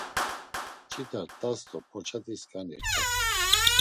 Mç̌ita t̆as do porçati skani t̆as.